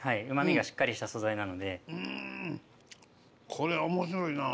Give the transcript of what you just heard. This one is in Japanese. これは面白いなあ。